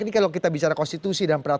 ini kalau kita bicara konstitusi dan peraturan